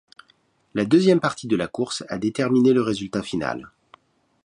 La deuxième partie de la course a déterminé le résultat final.